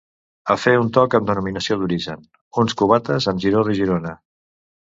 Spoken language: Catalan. A fer un toc amb denominació d'origen: uns cubates amb Giró de Girona.